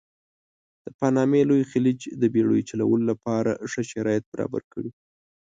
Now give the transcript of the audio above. د پانامې لوی خلیج د بېړیو چلولو لپاره ښه شرایط برابر کړي.